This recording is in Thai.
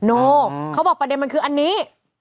โนเขาบอกประเด็นมันคืออันนี้